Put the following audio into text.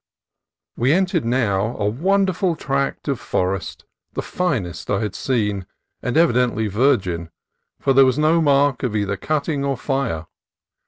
We entered now a wonderful tract of forest, the finest I had seen, and evidently virgin, for there was no mark of either cutting or fire.